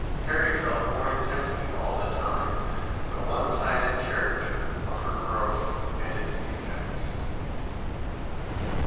Harry felt more intensely all the time the one sided character of her growth and its defects.